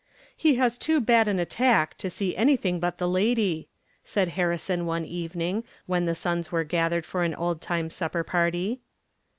"He has too bad an attack to see anything but the lady," said Harrison one evening when the "Sons" were gathered for an old time supper party.